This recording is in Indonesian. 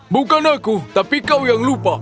bukan aku tapi kau yang lupa